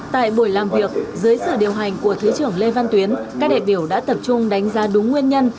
tại buổi làm việc dưới sự điều hành của thứ trưởng lê văn tuyến các đại biểu đã tập trung đánh giá đúng nguyên nhân